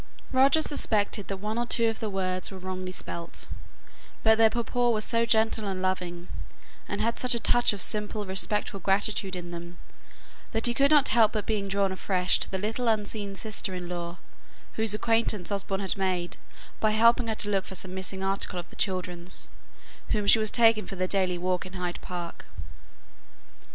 Roger suspected that one or two of the words were wrongly spelt; but their purport was so gentle and loving, and had such a touch of simple, respectful gratitude in them, that he could not help being drawn afresh to the little unseen sister in law, whose acquaintance Osborne had made by helping her to look for some missing article of the children's, whom she was taking for their daily walk in Hyde Park.